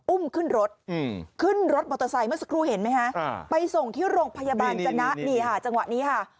อุ้มขึ้นรถขึ้นรถมอเตอร์ไซค์เมื่อสักครู่เห็นไหมฮะไปส่งที่โรงพยาบาลจนะนี่ค่ะจังหวะนี้ค่ะ